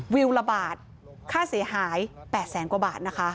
วิวละบาทค่าเสียหาย๘แสนกว่าบาทนะคะ